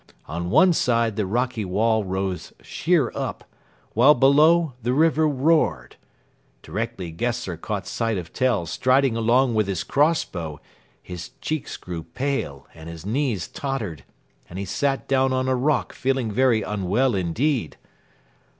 On one side the rocky wall rose sheer up, while below the river roared. Directly Gessler caught sight of Tell striding along with his cross bow, his cheeks grew pale and his knees tottered, and he sat down on a rock feeling very unwell indeed.